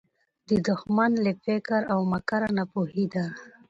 د دښمن له فکر او مِکره ناپوهي ده